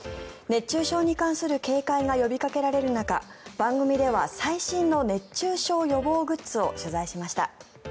熱中症に関する警戒が呼びかけられる中番組では最新の熱中症予防グッズを取材しました。